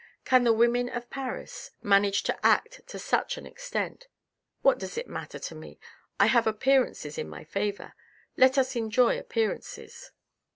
Can the women of Paris manage to act to such an extent. What does it matter to me ! I have appearances in my favour, let us enjoy appearances.